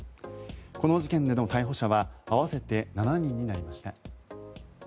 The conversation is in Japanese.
この事件での逮捕者は合わせて７人になりました。